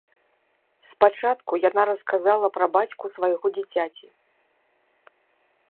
Спачатку яна расказала пра бацьку свайго дзіцяці.